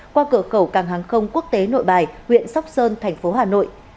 qua cửa khẩu càng hàng không quốc tế nội bài huyện sóc sơn thành phố hà nội